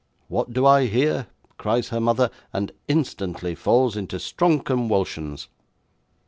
"What do I hear?" cries her mother; and instantly falls into strong conwulsions.